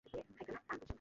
নামটা ভুলে গেছি!